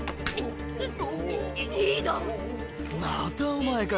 またお前か。